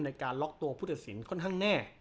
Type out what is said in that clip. ในการล็อกตัวผู้ตัดสินค่อนข้างแน่